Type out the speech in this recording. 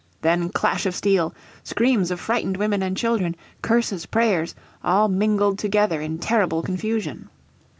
Then clash of steel, screams of frightened women and children, curses, prayers, all mingled together in terrible confusion.